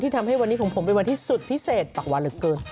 ทำให้วันนี้ของผมเป็นวันที่สุดพิเศษปากวาเหลือเกิน